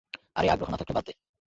আরে, আগ্রহ না থাকলে বাদ দে।